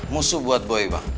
musuh buat boy bang